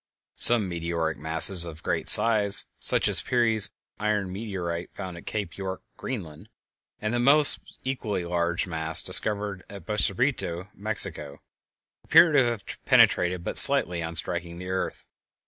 Some meteoric masses of great size, such as Peary's iron meteorite found at Cape York, Greenland, and the almost equally large mass discovered at Bacubirito, Mexico, appear to have penetrated but slightly on striking the earth.